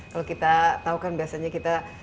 kalau kita tahu kan biasanya kita